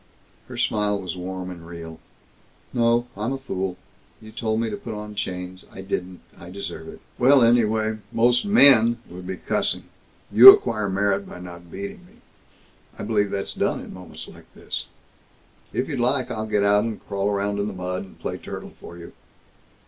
Her smile was warm and real. "No. I'm a fool. You told me to put on chains. I didn't. I deserve it." "Well, anyway, most men would be cussing. You acquire merit by not beating me. I believe that's done, in moments like this. If you'd like, I'll get out and crawl around in the mud, and play turtle for you."